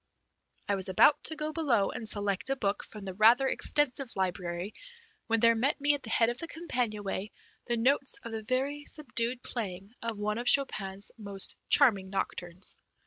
I was about to go below and select a book from the rather extensive library when there met me at the head of the companion way the notes of the very subdued playing of one of Chopin's most charming nocturnes.